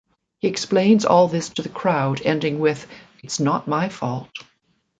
He explains all this to the crowd, ending with It's not my fault!